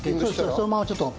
そのままちょっと。